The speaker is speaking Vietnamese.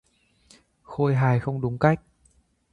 Khôi hài không đúng cách